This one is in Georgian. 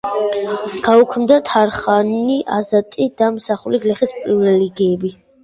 გაუქმდა თარხანი, აზატი და მსახური გლეხის პრივილეგიები.